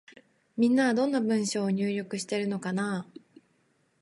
みんなは、どんな文章を入力しているのかなぁ。